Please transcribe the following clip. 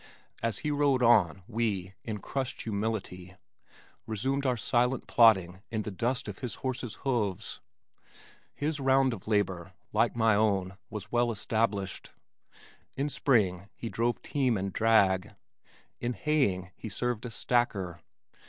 As he rode on we, in crushed humility, resumed our silent plodding in the dust of his horse's hooves. His round of labor, like my own, was well established. In spring he drove team and drag. In haying he served as stacker.